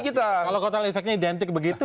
kalau total efeknya identik begitu